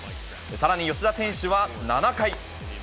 さらに吉田選手は７回。